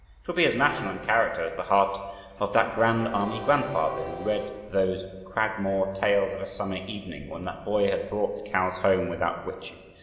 It will be as national in character as the heart of that Grand Army Grandfather, who read those Cragmore Tales of a summer evening, when that boy had brought the cows home without witching.